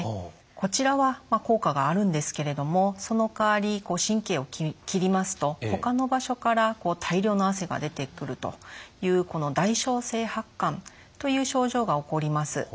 こちらは効果があるんですけれどもそのかわり神経を切りますとほかの場所から大量の汗が出てくるという代償性発汗という症状が起こります。